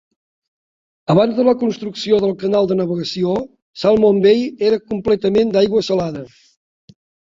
Abans de la construcció del canal de navegació, Salmon Bay era completament d'aigua salada.